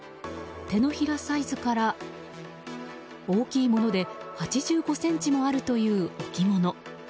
手のひらサイズから大きいもので８５ｃｍもあるという置物。